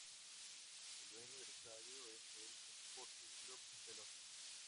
El dueño del estadio es el Esporte Clube Pelotas.